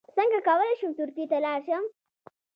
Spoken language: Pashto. څنګه کولی شم ترکیې ته لاړ شم